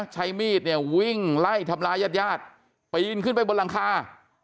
ใช้มีดเนี่ยวิ่งไล่ทำร้ายญาติญาติปีนขึ้นไปบนหลังคา